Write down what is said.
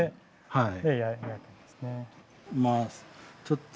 はい。